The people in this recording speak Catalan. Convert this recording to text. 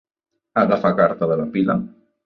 Agafar carta de la pila.